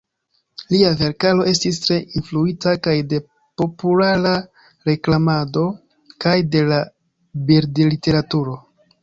Lia verkaro estis tre influita kaj de populara reklamado kaj de la bildliteraturo.